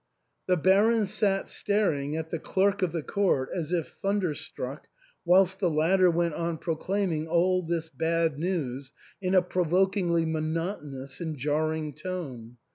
The Baron sat staring at the clerk of the court as if thunderstruck, whilst the latter went on proclaiming all this bad news in a provokingly monotonous and jarring tone.